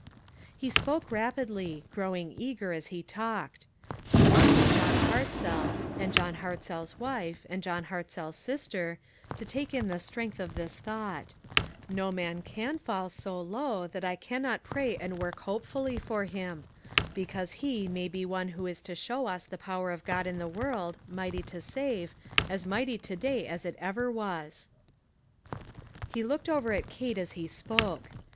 He spoke rapidly, growing eager as he talked. He wanted John Hartzell, and John Hartzell's wife, and John Hartzell's sister, to take in the strength of this thought :" No man can fall so low that I can not pray and work hopefully for him ; because he may be one who is to show us the power of God in the world, mighty to save, as mighty to day as it ever was." He looked over at Kate as he spoke.